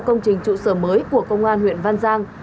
công trình trụ sở mới của công an huyện văn giang